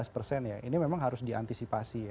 lima belas persen ya ini memang harus diantisipasi